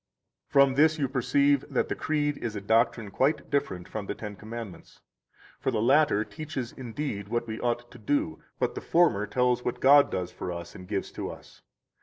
67 From this you perceive that the Creed is a doctrine quite different from the Ten Commandments; for the latter teaches indeed what we ought to do, but the former tells what God does for us and gives to us.